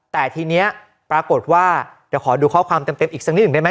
แต่ทีนี้ปรากฏว่าเดี๋ยวขอดูข้อความเต็มอีกสักนิดหนึ่งได้ไหม